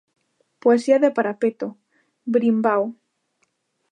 Poesía de parapeto, Birimbao.